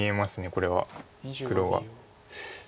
これは黒は。